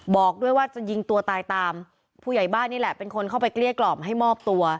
บอกด้วยว่าจะยิงตัวตายตามผู้ใหญ่บ้านนี่แหละเป็นคนเข้าไปเกลี้ยกล่อมให้มอบตัว